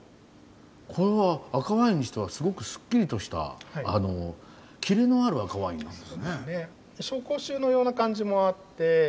これは赤ワインにしてはすごくすっきりとしたキレのある赤ワインになってますね。